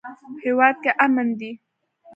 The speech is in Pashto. هیواد کې امن ده